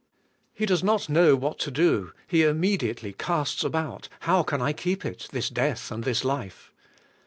He does not know what to do; he immediately casts about: "How can I keep it, this death and this life?"